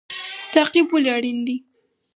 تعقیب ولې اړین دی؟